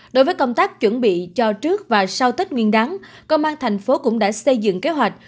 đối với công tác chuẩn bị cho trước và sau tết nguyên đáng công an thành phố cũng đã xây dựng kế hoạch